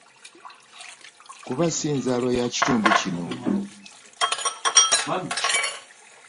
Kuba si nzaalwa ya kitundu kino